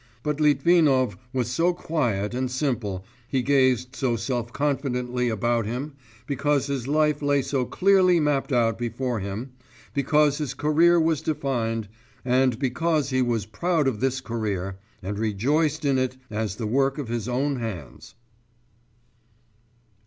But Litvinov was so quiet and simple, he gazed so self confidently about him, because his life lay so clearly mapped out before him, because his career was defined, and because he was proud of this career, and rejoiced in it as the work of his own hands.